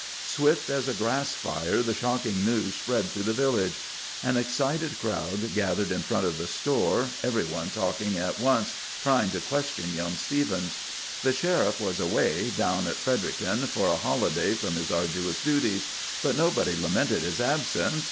Swift as a grass fire, the shocking news spread through the village. An excited crowd gathered in front of the store, every one talking at once, trying to question young Stephens. The Sheriff was away, down at Fredericton for a holiday from his arduous duties. But nobody lamented his absence.